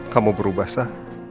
kamu berubah sa